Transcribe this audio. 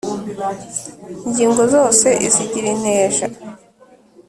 ingingo zose izigira inteja